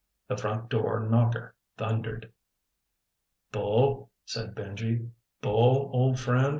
The front door knocker thundered. "Bull," said Benji, "Bull, old friend.